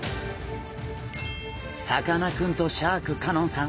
さかなクンとシャーク香音さん